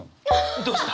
どうした？